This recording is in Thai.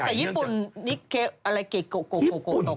แต่ญี่ปุ่นอะไรเก่งโกตกแล้ว